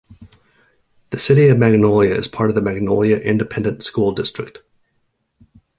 The city of Magnolia is part of the Magnolia Independent School District.